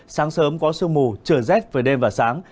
sáng sớm có sương mù trở rét với đêm và sáng